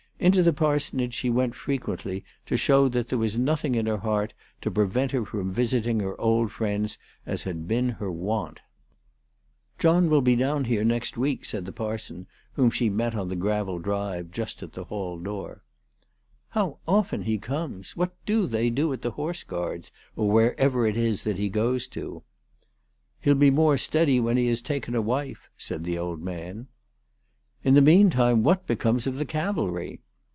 Into the parsonage she went frequently to show that there was nothing in her heart to prevent her visiting her old friends as had been her wont. " John will be down here next week," said the par ALICE DUGDALE. 331 son, whom she met on the gravel drive just at the hall door. " How often he comes ! What do they do at the Horse Guards, or wherever it is that he goes to ?"" He'll be more steady when he has taken a wife/' said the old man. " In the meantime what becomes of the cavalry